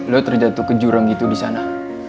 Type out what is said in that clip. lo terjatuh ke jurang gitu di sana